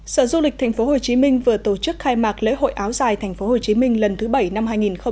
sở du lịch tp hcm vừa tổ chức khai mạc lễ hội áo dài tp hcm lần thứ bảy năm hai nghìn hai mươi